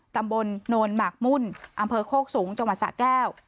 ตำบลโนนหมากมุ่นอำเภอโคกสูงจังหวัดสะแก้ว